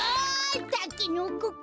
たけのこか。